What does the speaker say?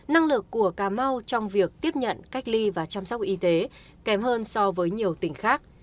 năng lực của cà mau trong việc tiếp nhận cách ly và chăm sóc y tế kém hơn so với nhiều tỉnh khác